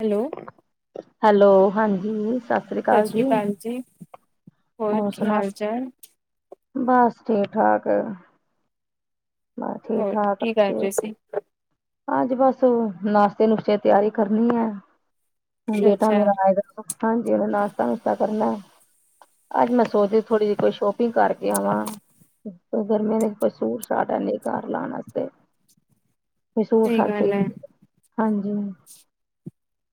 Hello. Hello, ਹਾਂਜੀ। ਸਤ ਸਤਿ ਸ਼੍ਰੀ ਅਕਾਲ ਜੀ। ਹੋਰ ਕੀ ਹਾਲ- ਚਾਲ? ਬਸ ਠੀਕ- ਠਾਕ। ਬਸ ਠੀਕ ਹੋਰ ਠਾਕ ਕੀ ਕਰ ਤੇ ਰਹੇ ਸੀ? ਅੱਜ ਬਸ ਨਾਸ਼ਤੇ -ਨੁਸਤੇ ਤਿਆਰੀ ਕਰਨੀ ਐ। ਬੇਟਾ ਅੱਛਾ ਮੇਰਾ ਆਏਗਾ। ਹਾਂਜੀ ਉਹਨੇ ਨਾਸ਼ਤਾ- ਨੁਸ਼ਤਾ ਕਰਨੇ। ਅੱਜ ਮੈਂ ਸੋਚਦੀ ਸੀ, ਥੋੜ੍ਹੀ ਜਿਹੀ ਕੋਈ ਸ਼ੋਪਿੰਗ ਕਰਕੇ ਆਵਾਂ। ਗਰਮੀਆਂ ਦੇ ਕੋਈ ਸੂਟ- ਸ਼ਾਟ ਹੈਨੀ ਘਰ ਲਾਣ ਵਾਸਤੇ। ਕੋਈ ਸੂਟ ਸਹੀ ਸਾਟ ਕੇ ਗੱਲ ਹੈ ਹਾਂਜੀ।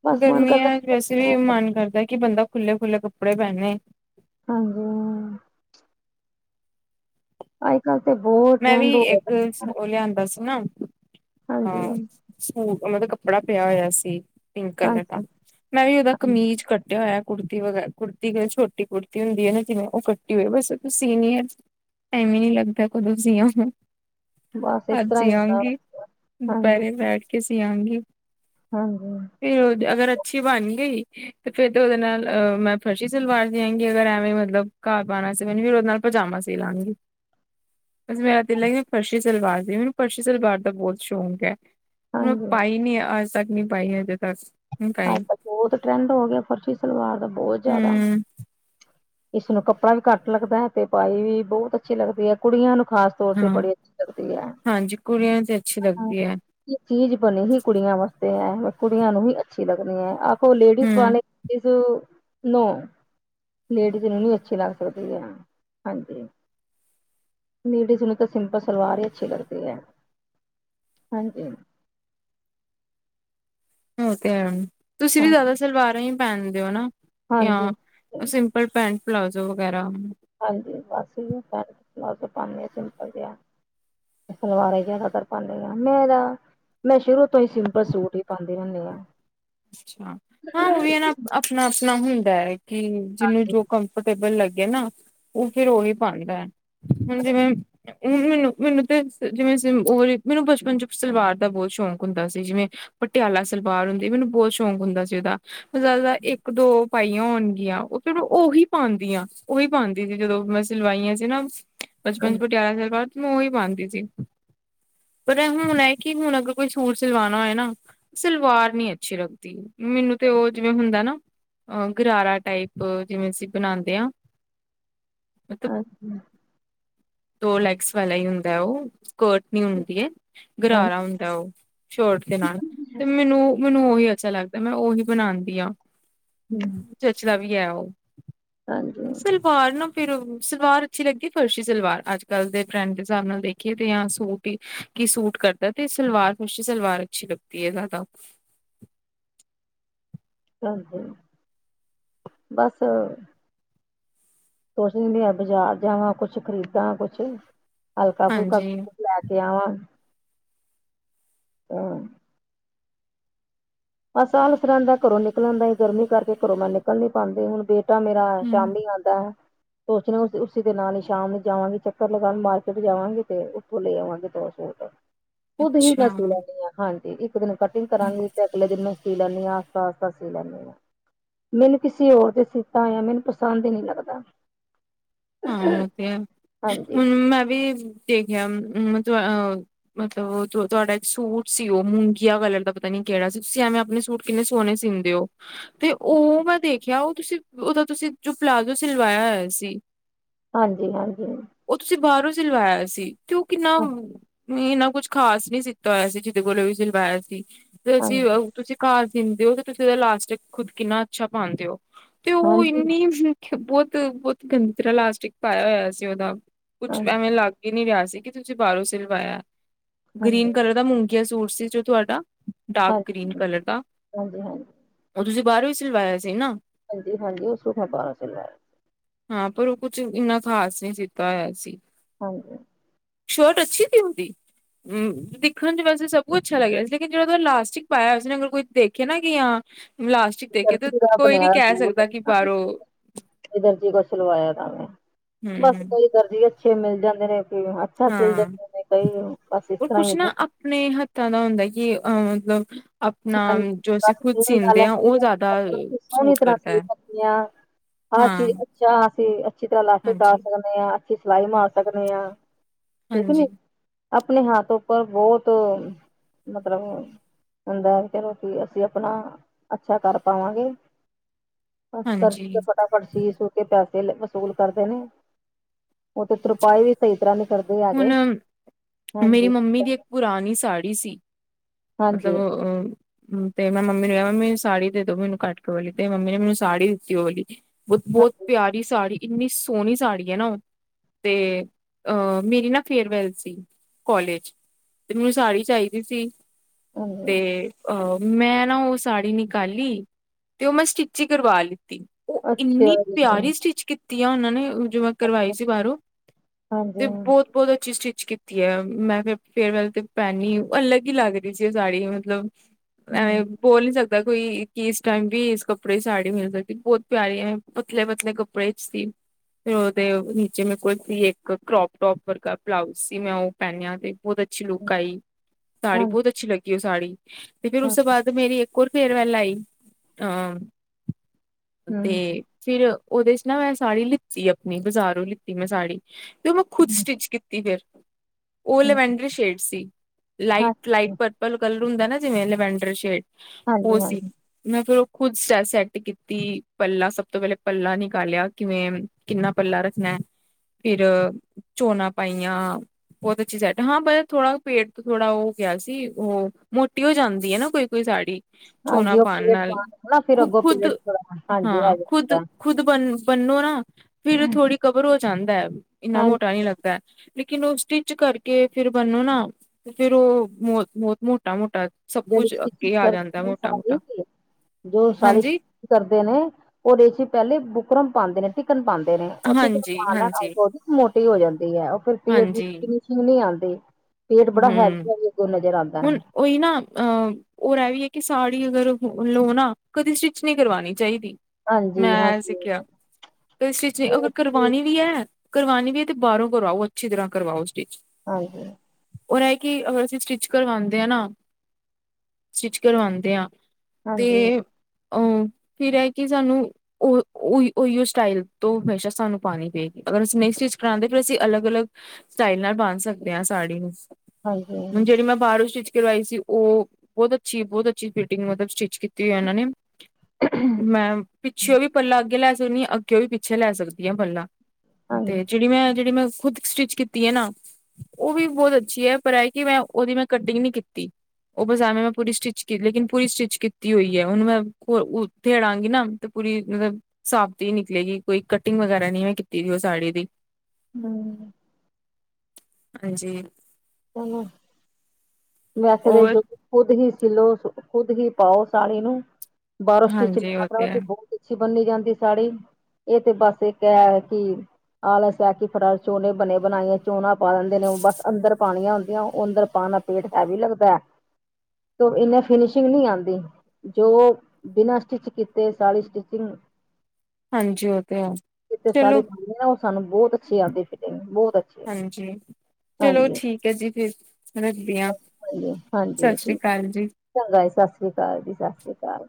ਬਸ ਮਨ ਗਰਮੀਆਂ ਐ, ਕਰਦਾ ਵੈਸੇ ਵੀ ਮਨ ਕਰਦਾ ਕਿ ਬੰਦਾ ਖੁੱਲ੍ਹੇ-ਖੁੱਲ੍ਹੇ ਕੱਪੜੇ ਪਹਿਨੇ। ਹਾਂਜੀ। ਅੱਜ ਕੱਲ੍ਹ ਤੇ ਬਹੁਤ ਮੈਂ ਵੀ ਟਰੈਂਡ ਹੋ ਗਿਆ ਇੱਕ ਏਦਾ। ਉਹ ਲਿਆਂਦਾ ਸੀ ਨਾ, ਹਾਂਜੀ ਅਹ ਸੂ ਉਹਨਾਂ ਦਾ ਕੱਪੜਾ ਪਿਆ ਹੋਇਆ ਸੀ। ਪਿੰਕ ਕਲਰ ਦਾ। ਹਾਂਜੀ ਮੈਂ ਵੀ ਉਹਦਾ ਹਾਂਜੀ, ਕਮੀਜ਼ ਕੱਟ ਕੱਟਿਆ ਹੋਇਆ। ਕੁੜਤੀ ਵਗੈ ਕੁੜਤੀ ਛੋਟੀ ਕੁੜਤੀ ਹੁੰਦੀ ਹੈ, ਨਾ ਜਿਵੇਂ ਉਹ ਕੱਟੀ ਹੋਈ ਹੈ ਬਸ ਸੀਨੀ ਟਾਈਮ ਹੀ ਨਹੀਂ ਲਗਦਾ ਕਦੋਂ ਸੀਆਂ। ਬਸ ਇਸ ਤਰ੍ਹਾਂ ਅੱਜ ਹੀ ਹੁੰਦਾ ਆਗੀ ਹਾਂਜੀ ਦੁਪਹਿਰੇ ਬੈਠ ਕੇ ਸੀਆਗੀ। ਹਾਂਜੀ। ਫਿਰ ਉਹ ਅਗਰ ਅੱਛੀ ਬਣ ਗਈ। ਤੇ ਫ਼ਿਰ ਤੇ ਉਹਦੇ ਨਾਲ ਅਹ ਮੈਂ ਫਰਸ਼ੀ ਸਲਵਾਰ ਦੀ ਆਂਗੀ ਅਗਰ ਐਵੇਂ ਮਤਲਬ ਘਰ ਪਾਉਣਾ ਸੀ, ਮੈਨੂੰ ਫਿਰ ਉਹਦੇ ਨਾਲ। ਪਜਾਮਾ ਸੀਲਾਗੀ। ਵੈਸੇ ਮੇਰਾ ਦਿਲ ਹੈ, ਮੈਂ ਫਰਸ਼ੀ ਸਲਵਾਰ ਦਾ, ਮੈਨੂੰ ਫਰਸ਼ੀ ਸਲਵਾਰ ਦਾ ਬਹੁਤ ਸ਼ੌਕ ਹੈ। ਮੈ ਹਾਂਜੀ ਪਾਈ ਨੀ ਅੱਜ ਤੱਕ ਨਹੀਂ ਪਾਈ ਅਜੇ ਤੱਕ। ਨਹੀਂ ਅੱਜ ਪਾਈ ਤਾਂ ਬਹੁਤ ਟਰੈਂਡ ਹੋ ਗਿਆ, ਫਰਸ਼ੀ ਸਲਵਾਰ ਦਾ ਬਹੁਤ ਜ਼ਿਆਦਾ। ਹੂੰ ਇਸਨੂੰ ਕੱਪੜਾ ਵੀ ਘੱਟ ਲੱਗਦਾ ਹੈ, ਤੇ ਪਾਈ ਵੀ ਬਹੁਤ ਅੱਛੀ ਲੱਗਦੀ ਹੈ ਕੁੜੀਆਂ ਨੂੰ ਖਾਸ ਤੋਰ ਤੇ ਹਾਂ ਬੜੀ ਅੱਛੀ ਲੱਗਦੀ ਹੈ। ਹਾਂਜੀ ਕੁੜੀਆਂ ਤੇ ਅੱਛੀ ਲੱਗਦੀ ਹੈ ਇਹ ਚੀਜ਼ ਬਣੀ ਹੀ ਕੁੜੀਆਂ ਵਾਸਤੇ ਹੈ, ਕੁੜੀਆਂ ਨੂੰ ਹੀ ਅੱਛੀ ਲੱਗਦੀ ਹੈ। ਕੋਈ ਲੇਡੀਜ਼ ਹੂੰ ਪਾਲੇ। [unintelligible] ਨੋ ਲੇਡੀਜ਼ ਨੂੰ ਨੀ ਅੱਛੀ ਲੱਗ ਸਕਦੀ ਆ ਹਾਂਜੀ। ਲੇਡੀਜ਼ ਨੂੰ ਤਾਂ ਸਿੰਪਲ ਸਲਵਾਰ ਹੀ ਅੱਛੀ ਲੱਗਦੀ ਹੈ ਹਾਂਜੀ। ਉਹ ਤੇ ਹੈ ਤੁਸੀਂ ਵੀ ਹਾਂਜੀ, ਜ਼ਿਆਦਾ ਸਲਵਾਰਾਂ ਈ ਪਹਿਨਦੇ ਹੋ ਨਾ ਹਾਂਜੀ ਜਾਂ ਪਰ ਪੈਂਟ ਪਲਾਊਜ਼ੋ ਵਗੈਰਾ। ਹਾਂਜੀ ਬਸ ਪਲਾਜ਼ੋ ਪਾਉਂਦੇ ਹਾ ਸਿੰਪਲ ਜਿਹਾ। ਸਲਵਾਰਾਂ ਜ਼ਿਆਦਾਤਰ ਪਾਨੀ ਆ। ਮੇਰਾ ਤਾਂ ਮੈਂ ਸ਼ੁਰੂ ਤੋਂ ਹੀ ਸਿੰਪਲ ਸੂਟ ਹੀ ਪਾਉਂਦੀ ਰਹਿੰਦੀ ਹਾਂ। ਅੱਛਾ ਹਾਂ। ਉਹ ਵੀ ਹਾ ਨਾ ਆਪਣਾ-ਆਪਣਾ ਹੁੰਦਾ ਹੈ ਕਿ ਜਿਹਨੂੰ ਹਾਂਜੀ ਜੋ ਕੰਫ ਕੰਮਫਰਟੇਬਲ ਲੱਗੇ ਨਾ ਉਹ ਫੇਰ ਉਹੀ ਪਾਣਦਾ ਹੁਣ ਜਿਵੇਂ। ਹੁਣ ਮੈਨੂੰ ਮੈਨੂੰ ਤੇ ਜਿਵੇਂ ਮੈਨੂੰ ਬਚਪਨ ਚ ਸਲਵਾਰ ਦਾ ਬਹੁਤ ਸ਼ੌਂਕ ਹੁੰਦਾ ਸੀ ਜਿਵੇਂ- ਪਟਿਆਲਾ ਸਲਵਾਰ ਹੁੰਦੀ ਮੈਨੂੰ ਬਹੁਤ ਸ਼ੌਕ ਹੁੰਦਾ ਸੀ ਉਹਦਾ। ਜ਼ਿਆਦਾ ਇੱਕ ਦੋ ਪਾਈਆਂ ਹੋਣਗੀਆਂ ਉਹ ਫਿਰ ਉਹੀ ਪਾਦੀਆਂ। ਉਹੀ ਪਾਂਦੀ ਸੀ, ਜਦੋਂ ਮੈਂ ਸਿਲਵਾਈਆਂ ਸੀ ਨਾ, ਬਚਪਨ ਚ ਹਾਂਜੀ ਪਟਿਆਲਾ ਸਲਵਾਰ। ਉਹੀ ਪਾਂਦੀ ਸੀ। ਪਰ ਹੁਣ ਐ ਕਿ ਹੁਣ ਅਗਰ ਕੋਈ ਸੂਟ ਸਿਲਵਾਉਣਾ ਹੋਏ ਨਾ ਸਲਵਾਰ ਨੀ ਏ। ਅੱਛੀ ਲੱਗਦੀ, ਮੈਨੂੰ ਤੇ ਉਹ ਜਿਵੇਂ ਹੁੰਦਾ ਨਾ ਅ ਗਰਾਰਾ ਟਾਈਪ ਜਿਵੇਂ ਅਸੀਂ ਬਣਾਂਦੇ ਆ। ਮਤਲਬ ਦੋ ਲੈਗਸ ਵਾਲਾ ਈ ਹੁੰਦਾ ਉਹ। ਸਕਰਟ ਨੀ ਹੁੰਦੀ ਏ, ਹਾਂਜੀ ਗਰਾਰਾ ਹੁੰਦਾ ਉਹ ਸਾਰਟ ਦੇ ਨਾਲ ਤੇ ਮੈਨੂੰ ਮੈਨੂੰ ਉਹੀ ਅੱਛਾ ਲੱਗਦਾ, ਮੈਂ ਉਹੀ ਬਣਾਂਦੀ ਆ, ਜਚਦਾ ਵੀ ਐ ਉਹ। ਹਾਂਜੀ ਸਲ ਵਾਰ ਨਾ ਫਿਰ ਸਲਵਾਰ ਅੱਛੀ ਲੱਗੀ ਫਰਸ਼ੀ ਸਲਵਾਰ ਅੱਜ ਕੱਲ ਦੇ ਟਰੈਂਡ ਦੇ ਹਿਸਾਬ ਨਾਲ ਦੇਖੀਦੇ ਆ ਸੂਟ। ਕੀ ਸੂਟ ਕਰਦਾ ਤੇ ਸਲਵਾਰ ਫਰਸੀ ਸਲਵਾਰ ਅੱਛੀ ਲੱਗਦੀ ਏ ਜ਼ਿਆਦਾ। ਹਾਂਜੀ ਬਸ ਕੁਛ ਨੀ ਹੋਇਆ ਬਾਜ਼ਾਰ ਜਾਵਾਂ ਕੁਛ ਖਰੀਦ ਕੁਛ ਹਲਕਾ ਫੁਲਕਾ ਹਾਂਜੀ ਲੈ ਕੇ ਆਵਾ, ਹੂੰ ਆ ਸਾਲ ਇਤਰਹਾ ਦਾ ਘਰੋਂ ਨਿਕਲਣ ਦਾ ਗਰਮੀ ਕਰਕੇ ਘਰੋਂ, ਮੈਂ ਨਿਕਲ ਨੀ ਪਾਂਦੀ ਹੁਣ ਬੇਟਾ ਮੇਰਾ ਹੂੰ, ਸ਼ਾਮੀ ਆਂਦਾ। ਤਾਂ ਸੋਚਦੀ ਉਸੀ ਦੇ ਨਾਲ ਹੀ ਸ਼ਾਮ ਨੂੰ ਜਾਵਾਂਗੇ, ਚੱਕਰ ਲਗਾਣ ਮਾਰਕੀਟ ਜਾਵਾਂਗੇ ਤੇ ਉੱਥੋਂ ਲੈ ਆਵਾਂਗੇ ਦੋ ਸੂਟ। ਖੁਦ ਹੀ ਮੈਂ ਸੀਅ ਲੈਣੀ ਹਾਂ ਹਾਂਜੀ ਇੱਕ ਦਿਨ ਕਟਿੰਗ ਕਰਾਂਗੀ ਤੇ ਅਗਲੇ ਦਿਨ ਮੈਂ ਸੀ ਲੈਂਨੀ ਆ ਆਸਤਾ ਆਸਤਾ ਸੀ ਲੈਂਨੀ ਆ। ਮੈਨੂੰ ਕਿਸੀ ਔਰ ਦੇ ਸੀਤਾ ਹੋਇਆ ਮੈਨੂੰ ਪਸੰਦ ਨੀ ਲੱਗਦਾ। ਹੂੰ ਵਧੀਆ ਹਾਂਜੀ ਹੂੰ ਮੈਂ ਵੀ ਦੇਖਿਆ ਮਤਵਲ- ਮਤਲਬ, ਜੋ ਤੁਹਾਡਾ ਇਕ ਸੂਟ ਸੀ ਉਹ ਮੂੰਗੀਆ ਕਲਰ ਦਾ ਪਤਾ ਨੀ ਕਿਹੜਾ ਸੀ ਤੁਸੀਂ ਐਵੇਂ ਆਪਣੇ ਸੂਟ ਕਿੰਨੇ ਸੋਹਣੇ ਸੀਂ ਦੇ ਓ ਤੇ ਉਹ, ਮੈਂ ਦੇਖਿਆ ਉਹ ਤੁਸੀਂ ਉਹਦਾ ਤੁਸੀਂ ਜੋ ਪਲਾਜ਼ੋ ਸਿਲਵਾਇਆ ਹੋਇਆ ਸੀ। ਹਾਂਜੀ- ਹਾਂਜੀ ਉਹ ਤੁਸੀਂ ਬਾਰੋਂ ਸਲਵਾਇਆ ਸੀ। ਤੇ ਉਹ ਕਿੰਨਾ ਹਾਂਜੀ ਇਨਾ ਕੁੱਛ ਖਾਸ ਨਈ ਸੀਤਾ ਹੋਇਆ ਸੀ, ਜਿਹਦੇ ਕੋਲੋਂ ਵੀ ਸਿਲਵਾਇਆ ਸੀ। ਤੇ ਅਸੀਂ ਹਾਂਜੀ ਤੁਸੀਂ ਘਾਰ ਸੀਂਦੇ ਓ ਤੇ, ਤੁਸੀਂ ਇਹਦਾ ਇਾਸਟਿਕ ਖੁੱਦ ਕਿੰਨਾ ਅੱਛਾ ਪਾਂਦੇ ਓ ਤੇ ਉਹ ਹਾਂਜੀ ਇੰਨੀ ਹੂੰ ਬੋਤ-ਬੋਤ ਗੰਦੀ ਤਰ੍ਹਾਂ ਲਾਸਟਿਕ ਪਾਇਆ ਹੋਇਆ ਸੀ ਓਦਾ ਕੁਛ ਹਾਂਜੀ ਐਵੇਂ ਲਗ ਈ ਨੀ ਰੇਆ ਸੀ ਕਿ ਤੁਸੀਂ ਬਾਰੋਂ ਸਿਲਵਾਇਆ ਹਾਂਜੀ ਗ੍ਰੀਨ ਕਲਰ ਦਾ ਮੂੰਗੀਆ ਸੂਟ ਸੀ ਜੋ ਤੁਆਡਾ। ਡਾਕ ਗ੍ਰੀਨ ਹਾਂਜੀ ਕਲਰ ਦਾ, ਹਾਂਜੀ ਓ ਤੁਸੀਂ ਬਾਰੋਂ ਈ ਸਿਲਵਾਇਆ ਸੀ ਨਾ ਹਾਂਜੀ-ਹਾਂਜੀ ਓ ਸੂਟ ਮੈ ਬਾਰੋ ਸਿਲਵਾਯਾ ਏ ਹਾਂ ਪਰ ਓ ਕੁਛ ਇੰਨਾ ਖਾਸ ਨਈ ਸੀਤਾ ਹੋਇਆ ਸੀ ਹਾਂਜੀ ਸ਼ਰਟ ਅੱਛੀ ਸੀ ਓਦੀ, ਹੂੰ- ਦੇਖਣ ਚ ਵੈਸੇ ਸਭ ਕੁਛ ਅੱਛ ਲੱਗਿਆ ਲੇਕਿਨ ਜੌ ਇਦਾ ਲਾਸਟਿਕ ਪਾਇਆ ਸੀ ਨਾ ਬਿਲਕੁਲ ਦੇਖ ਨਾ ਕਿ ਆਂ ਲਾਸਟਿਕ ਦੇਖੇ ਤੇ ਦਰਜੀ ਦਾ ਕੋਈ ਨੀ ਕਹ ਸਕਦਾ ਕਿ ਬਾਰੋਂ ਇਕ ਦਰਜੀ ਕੋਲ ਸਿਲਵਾਇਆ ਤਾ ਮੈਂ, ਬਸ ਹੂੰ ਕੋਈ ਦਰਜੀ ਅੱਛੇ ਮਿਲ ਜਾਂਦੇ ਨੇ ਤੇ ਹਾਥ- ਹਾਂ ਔਰ ਕੁਛ ਨਾ [unintelligible] ਆਪਣੇ ਹੱਥਾਂ ਦਾ ਹੁੰਦਾ ਏ ਕਿ ਆ ਮਤਲਬ ਆਪਣਾ ਹਾਂਜੀ, ਜੋ ਅਸੀਂ ਬਸ ਖੁਦ ਏਹੋ ਹੀ ਗੱਲ ਸੀਂਦੇ ਹਾਂ ਉਹ ਜ਼ਿਆਦਾ ਅਸੀ ਸੋਹਣੀ ਸੂਟ ਤਰ੍ਹਾਂ ਕਰਦਾ ਸੀ ਹੈ ਲੈਨੇ ਆ ਹਾਂ ਹਰ ਚੀਜ਼ ਅੱਛਾ, ਤੇ ਅੱਛੀ ਤਰ੍ਹਾਂ ਲਾਸਟਿਕ ਪਾ ਹਾਂਜੀ ਸਕਣ। ਹਾਂ ਅੱਛੀ ਸਿਲਾਈ ਮਾਰ ਸਕਦੇ ਹਾਂ, ਠੀਕ ਨੀ। ਹਾਂਜੀ ਆਪਣੇ ਹਾਥੋਂ ਪਰ ਬੋਤ, ਮਤਲਬ ਹੁੰਦਾ ਏ ਕਿ ਚਲੋ ਅਸੀਂ ਅਪਣਾ, ਅੱਛਾ ਕਰ ਪਾਵਾਂਗੇ। ਅਸਤਰ ਹਾਂਜੀ ਫਰਸੀ ਸੂਟ ਦੇ ਪੈਸੇ ਵਸੂਲ ਕਰਦੇ ਨੇ, ਓ ਤੇ ਤੁਰਪਾਈ ਵੀ ਸਈ ਤਰਾ ਨੀ ਕਰਦੇ ਹੈਗੇ, ਹੁਣ ਮੇਰੀ ਹਾਂਜੀ ਮੰਮੀ ਦੀ ਇੱਕ ਪੁਰਾਣੀ ਸਾੜੀ ਸੀ, ਮਤਲਬ ਹਾਂਜੀ ਅਂ ਅਂ ਹਮ, ਤੇ ਮੈਂ ਮੰਮੀ ਨੂੰ ਕੇਹਾ ਮੰਮੀ ਸਾੜੀ ਦੇ ਦੋ ਮਨੁ ਕੱਟ ਕੇ ਓ ਵਲੀ, ਤੇ ਮੰਮੀ ਨੇ ਮਨੂੰ ਸਾੜੀ ਦਿੱਤੀ ਓ ਵਲੀ। ਬੋ ਬੌਤ ਹਾਂਜੀ ਪਿਆਰੀ ਸਾੜੀ ਇੰਨੀ ਸੋਣੀ ਸਾੜੀ ਏ ਨਾ ਓ। ਤੇ, ਅਂ ਮੇਰੀ ਨਾ ਫੇਅਰਵੈਲ ਸੀ ਕੋਲਜ। ਤੇ, ਮੈਨੂੰ ਸਾੜੀ ਚਾਈਦੀ ਸੀ ਹਾਂਜੀ ਤੇ ਅਂ, ਮੈਂ ਨਾ ਓ ਸਾੜੀ ਨਿਕਾਲੀ ਤੇ ਓ ਮੈਂ ਸਟਿਚ ਈ ਕਰਵਾ ਲਿੱਤੀ। ਓ ਇੰਨੀ ਅੱਛਾ ਜੀ ਪਿਆਰੀ ਸਟਿਚ ਕੀਤੀ ਆਂ ਓਨਾਂ ਨੇ, ਜੌ ਮੈ ਕਰਵਾਈ ਅੱਛਾ ਸੀ ਬਾਰੋਂ, ਹਾਂਜੀ ਤੇ ਬੋਤ ਬੋਤ ਅੱਛੀ ਸਟਿੱਚ ਕੀਤੀ ਐ, ਮੈਂ ਫਿਰ ਫੇਅਰਵੈਲ ਤੇ ਪੈਨੀ ਅਲਗ ਈ ਲਾਗਦੀ ਠੀਕ ਸੀ ਓ ਸਾੜੀ ਮਤਲਬ, ਹੂੰ ਐਵੇਂ ਬੋਲ ਨੀ ਸਕਦਾ ਕੋਈ ਕਿ ਇਸ ਟਾਈਮ ਵੀ ਇਸ ਕੱਪੜੇ ਦੀ ਸਾੜੀ ਮਿਲ ਸਕਦੀ ਏ, ਬਹੁਤ ਪਿਆਰੀ ਏ। ਪਤਲੇ, ਪਤਲੇ ਕੱਪੜੇ ਚ ਸੀ। ਫ ਓਦੇ ਨੀਚੇ ਮੇਰੇ ਕੋਲ ਸੀ ਇੱਕ ਕਰੋਪ ਟੋਪ ਵਰਗਾ ਬਲਾਊਸ ਸੀ, ਮੈਂ ਓ ਪੈਨੇਆ ਤੇ ਓਦੇ ਅੱਛੀ ਲੁਕ ਆਈ, ਸਾੜੀ ਹੂੰ ਬੋਤ ਅੱਛੀ ਲੱਗੀ ਓ ਸਾੜੀ ਤੇ ਫਿਰ ਉਸ ਤੋਂ ਬਾਦ ਮੇਰੀ ਇੱਕ ਹੋਰ ਫੇਅਰਵੈਲ ਆਈ, ਤਾਂ, ਹੂੰ ਤੇ ਫਿਰ ਓਦੇ ਚ ਨਾ ਮੈਂ ਸਾੜੀ ਲਿੱਤੀ ਆਪਣੀ, ਬਜ਼ਾਰੋਂ ਲਿੱਤੀ ਮੈਂ ਸਾੜੀ। ਤੇ ਓ ਮੈਂ ਖੁਦ ਸਟਿਚ ਕੀਤੀ ਫਿਰ, ਓ ਹਾਂ ਲੈਵੈਂਡਰੀ ਸ਼ੇਡ ਸੀ ਲਾਈਟ-ਲਾਈਟ। ਪਰਪਲ ਕਲਰ ਹੁੰਦਾ ਨਾ ਜਿਵੇਂ ਲੈਵੈਂਡਰ ਸ਼ੇਡ, ਹਾਂਜੀ ਓ ਹਾਂਜੀ ਸੀ। ਮੈਂ ਫਿਰ ਓ ਖੁਦ ਸ ਸੈਟ ਕੀਤੀ। ਪੱਲਾ ਸਭ ਤੋਂ ਪੈਲੇ ਪੱਲਾ ਨਿਕਾਲਿਆ ਕਿਵੇਂ ਕਿੰਨਾ ਪਲਾ ਰੱਖਨਾ, ਫਿਰ ਚੋਣਾਂ ਪਾਈਆਂ, ਬੋਤ ਅਛੀ ਸੈਟ, ਹਾਂ ਪਰ ਥੋੜਾ, ਪੇਟ ਥੋੜਾ ਓ ਹੋ ਗਿਆ ਸੀ ਓਹ ਮੋਟੀ ਹੋ ਜਾਂਦੀ ਏ ਨਾ ਕੋਈ-ਕੋਈ ਸਾੜੀ। ਚੋਣਾਂ ਹਾਂਜੀ ਉਹ ਪਾਣ ਪੀਰੀਅਡ ਨਾਲ। ਪਾਉਣ ਨਾ ਫਿਰ ਖੁ- ਅੱਗੋਂ ਖੁਦ ਪੀਰੀਅਡ ਥੋੜਾ ਹਾਂਜੀ ਹਾਂ, ਹੈਗਾ ਹੁੰਦਾ। ਖੁਦ- ਖੁਦ ਬ ਬੰਨੋ ਨਾ ਫਿਰ ਥੋੜੀ ਕਵਰ ਓ ਜਾਂਦਾ ਐ, ਇੰਨਾ ਹਾਂਜੀ ਮੋਟਾ ਨਈ ਲੱਗਦੈ। ਲੇਕਿਨ ਉਹ ਸਟਿਚ ਕਰਕੇ ਫਿਰ ਬੰਨੋ ਨਾ, ਤੇ ਫਿਰ ਓ ਬਹੁ ਬਹੁਤ ਮੋਟਾ-ਮੋਟਾ ਜਿਹੜੀ ਸਟਿਚਿੰਗ ਕਰਦੀ, ਓ ਸਾੜੀ ਸੀ, ਜੋ ਸਾੜੀ ਹਾਂਜੀ ਕਰਦੇ ਨੇ, ਉਦੇ ਚ ਪਹਿਲੇ ਬੁਕਰਮ ਪਾਂਦੇ ਨੇ, ਟਿਕਨ ਪਾਂਦੇ ਨੇ। ਟਿਕਨ ਹਾਂਜੀ, ਪਾਨ ਨਾਲ ਹਾਂਜੀ, ਕੁੱਝ ਮੋਟੀ ਹੋ ਜਾਂਦੀ ਐ, ਉਹ ਫਿਰ ਪੇਟ ਦੀ ਹਾਂਜੀ ਫਿਨਿਸ਼ਿੰਗ ਨੀ ਆਂਦੀ। ਪੇਟ ਬੜਾ ਹੈਵੀ-ਹੈਵੀ ਅੱਗੋ ਨਜ਼ਰ ਆਂਦਾ ਐ। ਓਹੀ ਨਾ ਅ ਔਰ ਏਹ ਵੀ ਐ ਕਿ ਸਾੜੀ ਅਗਰ ਹੋ ਲੋ ਨਾ, ਕਦੀ ਸਟਿੱਚ ਨੀ ਕਰਵਾਣੀ ਚਾਈਦੀ। ਹਾਂਜੀ ਮੈਂ ਹਾਂਜੀ ਸਿੱਖਿਆ, ਘਰੀ ਸਟਿਚ ਨੀ ਅਗਰ ਕਰਵਾ ਹਾਂਜੀ ਕਰਵਾਣੀ ਵੀ ਐ, ਕਰਵਾਣੀ ਵੀ ਐ ਤੇ ਬਾਹਰੋਂ ਕਰਾਓ, ਅੱਛੀ ਤਰ੍ਹਾਂ ਕਰਵਾਓ ਸਟਿੱਚ। ਹਾਂਜੀ। ਔਰ ਏਹ ਕੀ ਅਗਰ ਅਸੀਂ ਸਟਿਚ ਕਰਵਾਦੇ ਆ ਨਾ, ਸਟਿਚ ਕਰਵਾਂਦੇ ਆ ਤੇ ਅ, ਫਿਰ ਏਹ ਕਿ ਸਾਨੂੰ, ਉਹ ਉਈ ਉਈਓ ਸਟਾਈਲ ਤੋਂ ਹਮੇਸ਼ਾ ਸਾਨੂੰ ਪਾਨੀ ਪੇ ਅਗਰ ਅਸੀਂ ਨਈ ਸਟਿਚ ਕਰਾਂਦੇ, ਫਿਰ ਅਸੀਂ ਅਲੱਗ-ਅਲੱਗ, ਸਟਾਈਲ ਨਾਲ ਬੰਨ ਸਕਦੇ ਆ ਸਾੜੀ ਨੂੰ। ਹਾਂਜੀ ਹੂੰ ਜਿਹੜੀ ਮੈਂ ਬਾਹਰੋਂ ਸਟਿਚ ਕਰਵਾਈ ਸੀ ਉਹ ਬਹੁਤ ਅੱਛੀ -ਬਹੁਤ ਅੱਛੀ ਫਿਟਿੰਗ ਮਤਲਬ ਸਟਿਚ ਕੀਤੀ ਐ ਏਨਾਂ ਨੇ, ਹਾਂਜੀ ਮੈਂ ਪਿੱਛੇਓ ਵੀ ਪੱਲਾ ਅੱਗੇ ਲੈ ਸਕਣੀ, ਆ ਅੱਗਿਓ ਵੀ ਪਿੱਛੇ ਲੈ ਸਕਦੀ ਆ ਪੱੱਲਾਂ, ਹਾਂਜੀ ਤੇ ਜਿਹੜੀ ਮੈਂ ਜਿਹੜੀ ਮੈਂ ਖੁਦ ਕ ਸਟਿਚ ਕੀਤੀ ਐ ਨਾ ਉਹ ਵੀ ਬਹੁਤ ਅੱਛੀ ਐ, ਪਰ ਐਹ ਕਿ ਮੈਂ ਉਹਦੀ ਮੈਂ ਕਟਿੰਗ ਨੀ ਕੀਤੀ। ਉਹ ਬਸ ਐਵੇਂ ਮੈਂ ਪੂਰੀ ਸਟਿਚ ਕੀ ਲੇਕਿਨ ਪੂਰੀ ਸਟਿਚ ਕੀਤੀ ਹੋਈ ਐ, ਉਹਨੂੰ ਮੈਂ ਦੇੜਾਂਗੀ ਨਾ, ਤੇ ਪੂਰੀ ਮਤਲਬ ਸਾਬਤੀ ਈ ਨਿਕਲੇਗੀ ਕੋਈ ਕਟਿੰਗ ਵਗੈਰਾ ਨੀ ਮੈਂ ਕੀਤੀ ਦੀ ਉਹ ਸਾੜੀ ਦੀ ਹਾਂ। ਹਾਂਜੀ। ੲੌ, ਵੈਸੇ ਤੇ ਹੋਰ ਜੋ ਖੁਦ ਹੀ ਸਿਲੋ ਖੁਦ ਹੀ ਪਾਓ ਸਾੜੀ ਨੂੰ, ਬਾਹਰੋਂ ਸ਼ਟਿਚ ਹਾਂਜੀ ਨਾ ਉਹ ਕਰਾਓ ਤੇ ਹੈ ਬਹੁਤ ਅੱਛੀ ਬੰਨੀ ਜਾਂਦੀ ਸਾੜੀ। ਇਹ ਤੇ ਬਸ ਇੱਕ ਐ ਆ ਕਿ, ਆਲਸ ਐ ਕਿ ਫਟਾਫੱਟ ਚੋਲੇ ਬਣੇ ਬਣਾਏ ਚੋਨਾ ਪਾ ਦਿੰਦੇ ਨੇ, ਉਹ ਬਸ ਅੰਦਰ ਪਾਨੀਆਂ ਹੁੰਦੀਆਂ ਉਹ ਅੰਦਰ ਪਾਨ ਨਾਲ ਪੇਟ ਹੈਵੀ ਲੱਗਦਾ ਐ। ਤੋ ਇੰਨਾ ਫਿਨਿਸ਼ਿੰਗ ਨੀ ਆਂਦੀ। ਜੋ ਬਿਨਾਂ ਸਟਿਚ ਕੀਤੇ, ਸਾੜੀ ਸਟਿਚਿੰਗ ਹਾਂਜੀ ਉਹ ਤੇ ਹੈ ਜਿਥੇ ਸਾੜੀ ਚਲੋ ਪਾਉਨੇ ਆ ਉਹ ਸਾਂਨੂੰ ਬਹੁਤ ਅੱਛੀ ਆਂਦੀ ਫਿਟਿੰਗ, ਬਹੁਤ ਅੱਛ ਹਾਂਜੀ, ਚਲੋ ਠੀਕ ਐ ਜੀ ਫਿਰ। ਰੱਖਦੀ ਆ, ਹਾਂਜੀ ਹਾਂਜੀ ਸਾਸ੍ਰੀ ਠੀਕ ਹੈ, ਕਾਲ ਜੀ। ਚੰਗਾ ਜੀ ਸਸ੍ਰੀ ਕਾਲ ਜੀ-ਛ ਸਸ੍ਰੀ ਕਾਲ।